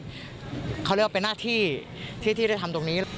เขาเรียกว่าเป็นหน้าที่ที่ได้ทำตรงนี้